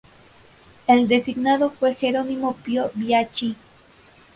El designado fue Jerónimo Pio Bianchi.